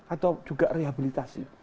atau juga rehabilitasi